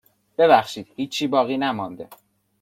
ببخشید هیچی باقی نمانده.